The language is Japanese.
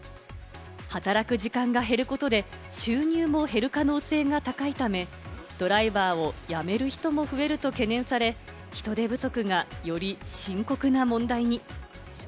働く時間が減ることで収入も減る可能性が高いため、ドライバーを辞める人も増えると懸念され、人手不足がより深刻な問題に。